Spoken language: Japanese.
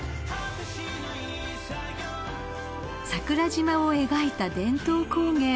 ［桜島を描いた伝統工芸